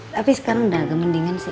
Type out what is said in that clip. tapi sekarang udah agak mendingan sih